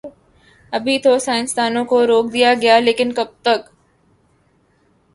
ابھی تو سائنس دانوں کو روک دیا گیا ہے، لیکن کب تک؟